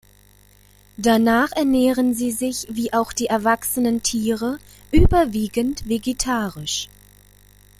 Danach ernähren sie sich, wie auch die erwachsenen Tiere überwiegend vegetarisch.